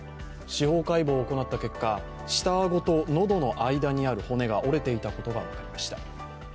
司法解剖を行った結果、下顎とのどの間にある骨が折れていたことが分かりました。